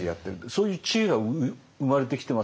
そういう知恵が生まれてきてますよね。